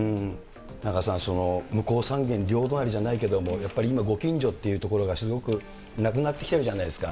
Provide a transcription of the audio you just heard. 田中さん、向こう三軒両隣じゃないけど、やっぱり今、ご近所っていうところがすごくなくなってきてるじゃないですか。